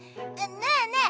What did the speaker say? ねえねえ